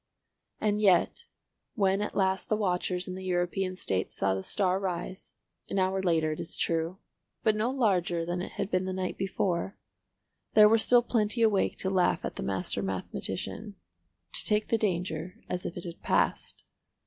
And yet, when at last the watchers in the European States saw the star rise, an hour later it is true, but no larger than it had been the night before, there were still plenty awake to laugh at the master mathematician—to take the danger as if it had passed.